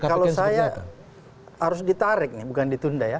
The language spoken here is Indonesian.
kalau saya harus ditarik nih bukan ditunda ya